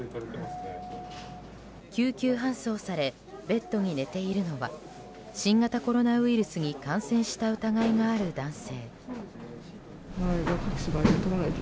救急搬送されベッドで寝ているのは新型コロナウイルスに感染した疑いがある男性。